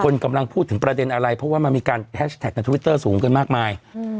กำลังพูดถึงประเด็นอะไรเพราะว่ามันมีการแฮชแท็กในทวิตเตอร์สูงกันมากมายอืม